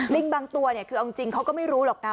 ลิงบางตัวเนี่ยคือเอาจริงเขาก็ไม่รู้หรอกนะ